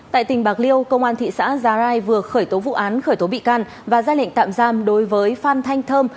tại tỉnh bạc liêu công an thị xã già rai vừa khởi tố vụ án khởi tố bị can và ra lệnh tạm giam đối với phan thanh thơm